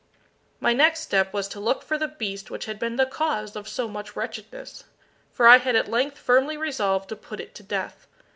My next step was to look for the beast which had been the cause of so much wretchedness, for I had at length firmly resolved to put it to death.